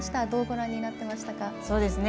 どうご覧になってましたか。